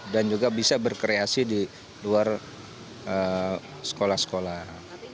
dan juga bisa berkreasi di luar sekolah sekolah